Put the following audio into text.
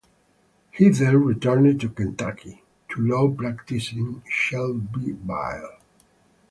He then returned to Kentucky to law practice in Shelbyville.